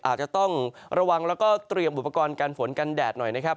อาจจะต้องระวังแล้วก็เตรียมอุปกรณ์การฝนกันแดดหน่อยนะครับ